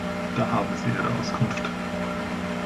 Da haben Sie Ihre Auskunft.